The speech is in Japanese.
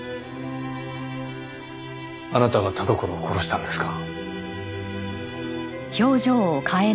あなたが田所を殺したんですか？